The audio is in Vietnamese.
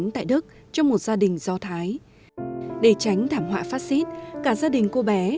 tại đức trong một gia đình do thái để tránh thảm họa phát xít cả gia đình cô bé